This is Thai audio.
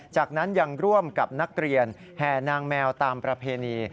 จากนั้นยังร่วมกับนักเรียนแห่นางแมวตามประเพณี